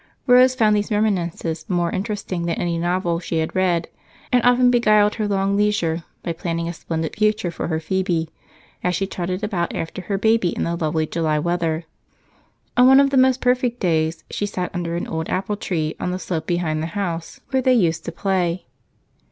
Rose found these reminiscences more interesting than any novel she had read, and often beguiled her long leisure by planning a splendid future for her Phebe as she trotted about after her baby in the lovely July weather. On one of the most perfect days she sat under an old apple tree on the slope behind the house where they used to play.